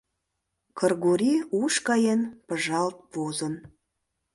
Кргори, уш каен, пыжалт возын.